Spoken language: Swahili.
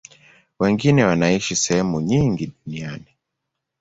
Wengine wanaishi sehemu nyingi duniani.